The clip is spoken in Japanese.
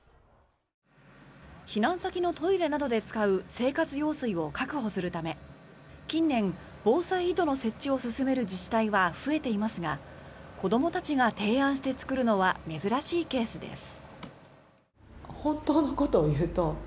避難先のトイレなどで使う生活用水を確保するため近年、防災井戸の設置を進める自治体は増えていますが子どもたちが提案して作るのは珍しいケースです。